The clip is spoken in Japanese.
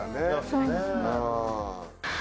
そうですね。